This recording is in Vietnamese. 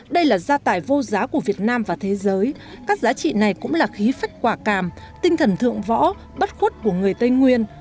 đây là gia tài vô giá của việt nam và thế giới các giá trị này cũng là khí phách quả càm tinh thần thượng võ bất khuất của người tây nguyên